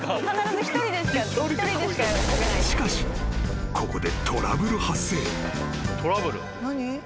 ［しかしここで］